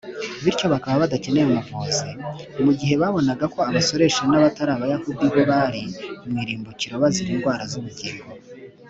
bityo bakaba badakeneye umuvuzi, mu gihe babonaga ko abasoresha n’abatari abayahudi bo bari mu irimbukiro bazira indwara z’ubugingo